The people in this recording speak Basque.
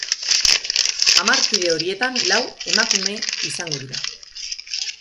Hamar kide horietan, lau emakume izango dira.